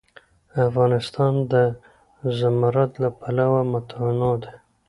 افغانستان د زمرد له پلوه متنوع دی.